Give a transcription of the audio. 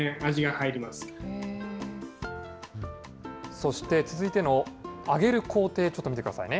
そして続いての揚げる工程、ちょっと見てくださいね。